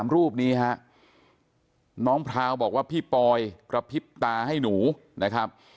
รูปนี้ฮะน้องพราวบอกว่าพี่ปอยกระพริบตาให้หนูนะครับ